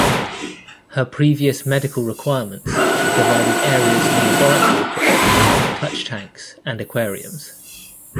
Her previous medical requirements provided areas for laboratory equipment, touch tanks, and aquariums.